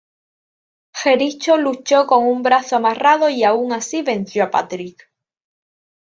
Jericho luchó con un brazo amarrado y aun así venció a Patrick.